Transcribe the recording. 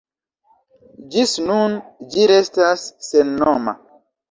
Ĝis nun, ĝi restas sennoma.